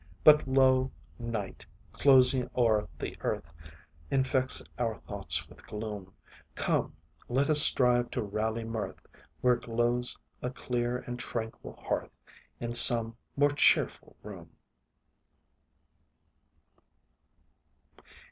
But, lo! night, closing o'er the earth, Infects our thoughts with gloom; Come, let us strive to rally mirth Where glows a clear and tranquil hearth In some more cheerful room.